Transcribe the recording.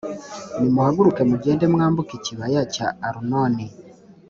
Nimuhaguruke mugende mwambuke ikibaya cya Arunoni.